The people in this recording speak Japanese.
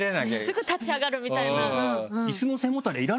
すぐ立ち上がるみたいな。